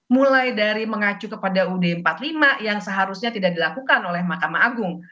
mulai dari mengacu kepada ud empat puluh lima yang seharusnya tidak dilakukan oleh mahkamah agung